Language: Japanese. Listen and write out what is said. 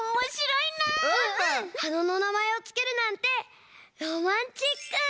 はなのなまえをつけるなんてロマンチック！